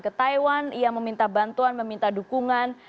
ke taiwan ia meminta bantuan meminta dukungan